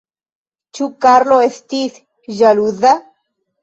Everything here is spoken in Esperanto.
Ĉu Karlo estis ĵaluza?